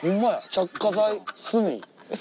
着火剤炭。